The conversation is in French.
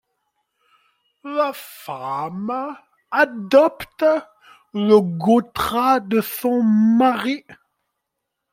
La femme adopte le gotra de son mari.